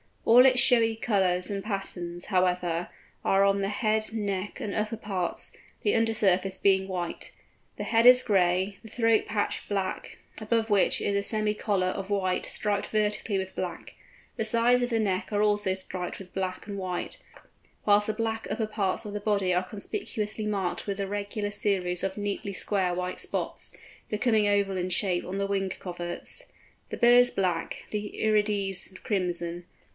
All its showy colours and patterns, however, are on the head, neck, and upper parts, the under surface being white. The head is gray, the throat patch black, above which is a semi collar of white striped vertically with black; the sides of the neck are also striped with black and white; whilst the black upper parts of the body are conspicuously marked with a regular series of nearly square white spots, becoming oval in shape on the wing coverts: the bill is black, the irides crimson.